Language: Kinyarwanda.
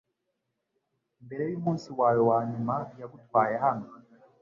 mbere yumunsi wawe wanyuma yagutwaye hano